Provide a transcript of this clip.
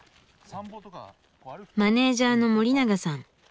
マネージャーの森永さん。